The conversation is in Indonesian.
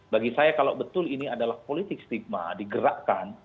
bagi saya kalau betul ini adalah politik stigma digerakkan